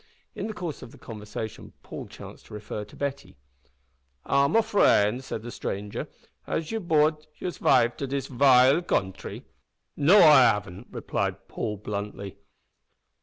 In the course of conversation Paul chanced to refer to Betty. "Ah! me frund," said the stranger, "has you brought you's vife to dis vile contry!" "No, I haven't," replied Paul, bluntly.